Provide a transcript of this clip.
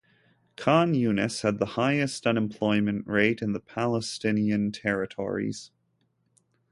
Khan Yunis had the highest unemployment rate in the Palestinian territories.